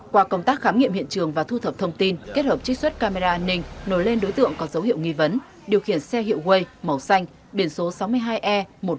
qua công tác khám nghiệm hiện trường và thu thập thông tin kết hợp trích xuất camera an ninh nối lên đối tượng có dấu hiệu nghi vấn điều khiển xe hiệu quay màu xanh biển số sáu mươi hai e